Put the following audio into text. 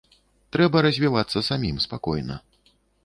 Трэба развівацца самім, спакойна.